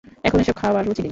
এখন এসব খাওয়ার রুচি নেই।